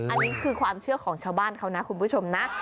อันนี้คือความเชื่อของชาวบ้านเขานะคุณผู้ชมนะ